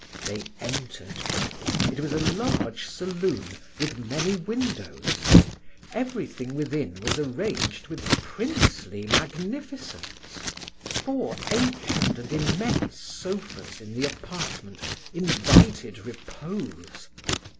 They entered. It was a large saloon, with many windows. Every thing within was arranged with princely magnificence. Four ancient and immense sofas in the apartment invited repose.